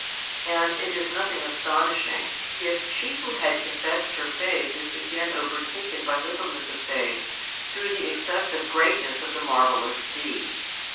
And it is nothing astonishing if she who had confessed her faith is again overtaken by littleness of faith through the excessive greatness of the marvellous deed.